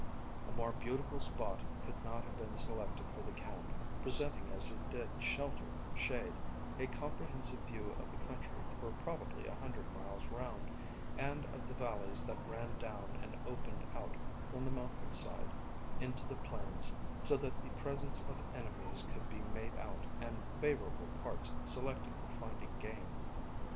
A more beautiful spot could not have been selected for the camp, presenting as it did shelter, shade, a comprehensive view of the country for probably a hundred miles round, and of the valleys that ran down and opened out from the mountain side into the plains, so that the presence of enemies could be made out and favourable parts selected for finding game.